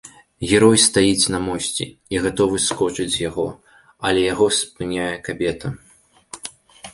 Герой стаіць на мосце і гатовы скочыць з яго, але яго спыняе кабета.